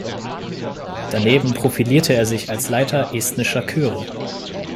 Daneben profilierte er sich als Leiter estnischer Chöre.